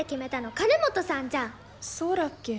そうらっけ？